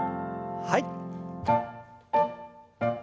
はい。